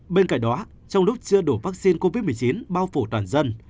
bên cạnh đó trong lúc chưa đủ vaccine covid một mươi chín bao phủ toàn dân